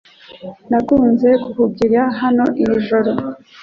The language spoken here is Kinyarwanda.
Nakunze kukugira hano iri joro .